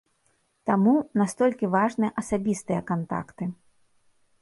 Таму, настолькі важныя асабістыя кантакты.